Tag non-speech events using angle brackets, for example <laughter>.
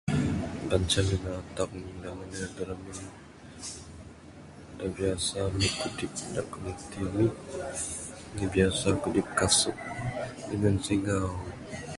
Banca binatang da Mende da ramin da biasa ami kudip ne <unintelligible> ami biasa kudip kasung.